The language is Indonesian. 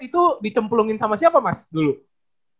itu dicemplungin sama siapa mas dulu